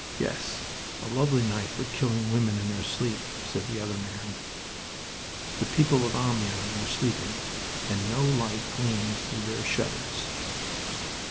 "Yes, a lovely night for killing women in their sleep," said the other man. The people of Amiens were sleeping, and no light gleamed through their shutters.